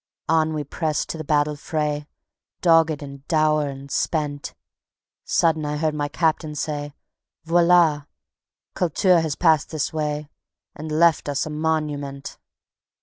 _ On we pressed to the battle fray, Dogged and dour and spent. Sudden I heard my Captain say: "Voilà! Kultur has passed this way, And left us a monument."